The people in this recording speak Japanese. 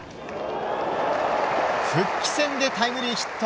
復帰戦でタイムリーヒット！